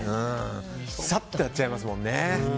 サッとやっちゃいますもんね。